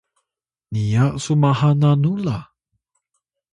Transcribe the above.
niya su maha nanu la?